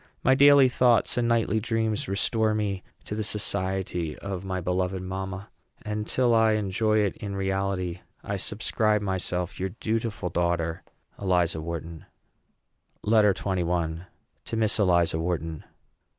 My daily thoughts and nightly dreams restore me to the society of my beloved mamma; and, till I enjoy in reality, I subscribe myself your dutiful daughter, ELIZA WHARTON. LETTER XXI. TO MISS ELIZA WHARTON.